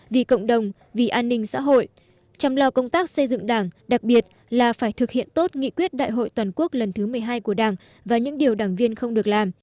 vì cộng đồng vì an ninh xã hội chăm lo công tác xây dựng đảng đặc biệt là phải thực hiện tốt nghị quyết đại hội toàn quốc lần thứ một mươi hai của đảng và những điều đảng viên không được làm